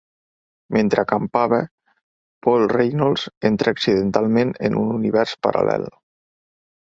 Mentre acampava, Paul Reynolds entra accidentalment en un univers paral·lel.